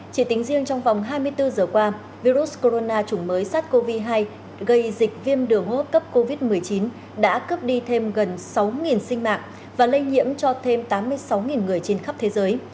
chỉ tính riêng trong vòng hai mươi bốn giờ qua virus corona chủng mới sars cov hai gây dịch viêm đường hô hấp cấp covid một mươi chín đã cướp đi thêm gần sáu sinh mạng và lây nhiễm cho thêm tám mươi sáu người trên khắp thế giới